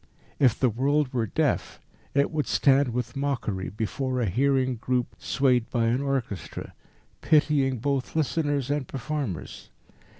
If the world were deaf it would stand with mockery before a hearing group swayed by an orchestra, pitying both listeners and performers.